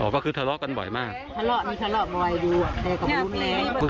คือทะเลาะก็เรียกบ่อย